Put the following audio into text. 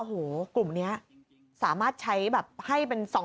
โอ้โหกลุ่มนี้สามารถใช้แบบให้เป็น๒๐๐